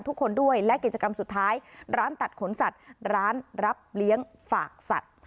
ทุกคนด้วยและกิจกรรมสุดท้ายร้านตัดขนสัตว์ร้านรับเลี้ยงฝากสัตว์